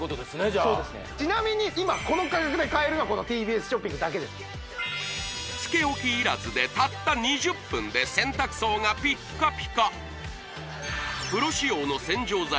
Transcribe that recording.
じゃあちなみに今この価格で買えるのはこのＴＢＳショッピングだけですつけ置きいらずでたった２０分で洗濯槽がピッカピカプロ仕様の洗浄剤